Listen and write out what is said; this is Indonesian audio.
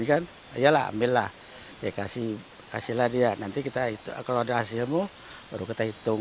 ayalah ambillah kasihlah dia kalau ada hasilmu baru kita hitung